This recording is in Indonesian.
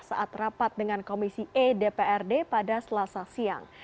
saat rapat dengan komisi e dprd pada selasa siang